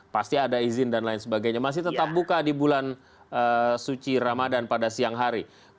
pasti ada izin dan lain sebagainya masih tetap buka di bulan suci ramadan pada siang hari